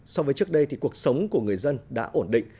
so với trước đây thì cuộc sống của người dân đã ổn định